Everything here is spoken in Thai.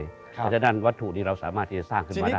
เพราะฉะนั้นวัตถุนี้เราสามารถที่จะสร้างขึ้นมาได้